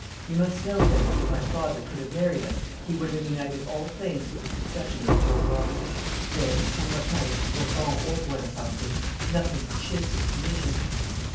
You must know, then, that if my father could have married us he would have united all claims to the succession of Grosbois. Then, come what might Bourbon or Buonaparte nothing could shake his position.'